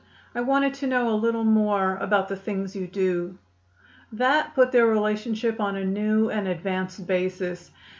"I wanted to know a little more about the things you do." That put their relationship on a new and advanced basis.